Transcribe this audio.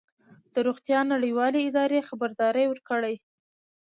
د روغتیا نړیوالې ادارې خبرداری ورکړی